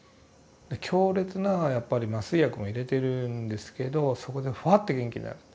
強烈なやっぱり麻酔薬も入れてるんですけどそこでフワッて元気になる。